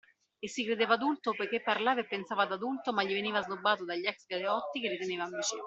E si credeva adulto poiché parlava e pensava da adulto ma veniva snobbato dagli ex-galeotti che riteneva amici.